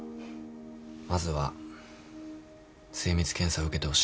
まずは精密検査受けてほしい。